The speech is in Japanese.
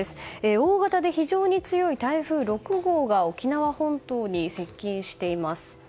大型で非常に強い台風６号が沖縄本島に接近しています。